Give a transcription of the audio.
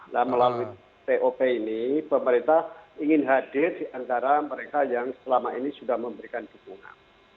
nah melalui top ini pemerintah ingin hadir di antara mereka yang selama ini sudah memberikan dukungan